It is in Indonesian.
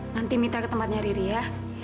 nanti minta ke tempatnya riri ya